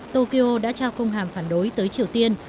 tokyo đã trao công hàm phản đối tới triều tiên